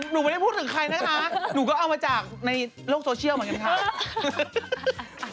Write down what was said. หนูไม่ได้พูดถึงใครนะคะหนูก็เอามาจากในโลกโซเชียลเหมือนกันค่ะ